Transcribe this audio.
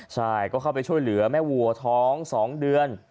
ใช่ก็เข้าไปช่วยเหลือแม่วัวท้อง๒เดือน